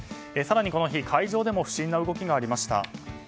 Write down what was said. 更にこの日海上でも不審な動きがありました。